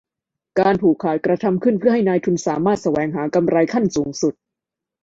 การผูกขาดกระทำขึ้นเพื่อให้นายทุนสามารถแสวงหา กำไรขั้นสูงสุด